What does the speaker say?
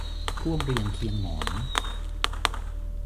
ร่วมเรียงเคียงหมอน